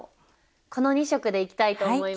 この２色でいきたいと思います。